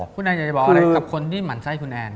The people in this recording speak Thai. คุณแอนอยากจะบอกอะไรกับคนที่หมั่นไส้คุณแอน